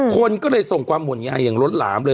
คนก็เลยส่งความหุ่นงายอย่างล้นหลามเลย